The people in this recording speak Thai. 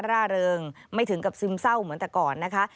ร่าเริงไม่ถึงกับซึมเศร้าเหมือนแต่ก่อนนะคะ